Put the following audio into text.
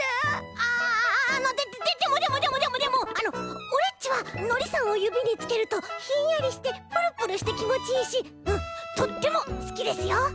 あああのでもでもでもでもでもオレっちはのりさんをゆびにつけるとひんやりしてプルプルしてきもちいいしとってもすきですよ！